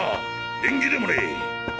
縁起でもねぇ！